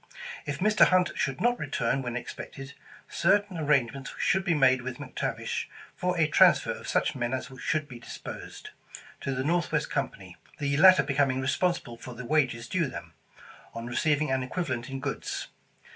If Mr. Hunt should not return when ex pected, certain arrangements should be made with Mc Tavish for a transfer of such men as should be dis posed, to the Northwest Company, the latter becoming responsible for the wages due them, on receiving an equivalent in goods.